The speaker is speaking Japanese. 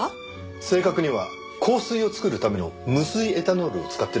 正確には香水を作るための無水エタノールを使ってですけどね。